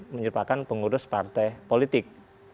menyerpakan pengurus partai politik